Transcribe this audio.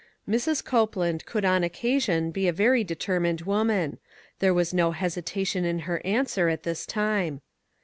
Mrs. Copeland could on occasion be a very determined woman ; there was no hesitation in her answer at this time.